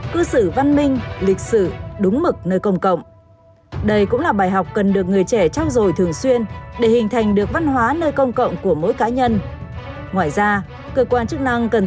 cư xử văn minh lịch sử và các cơ quan chức năng